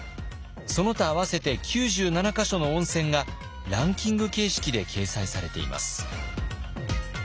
その他合わせて９７か所の温泉がランキング形式で掲載されています。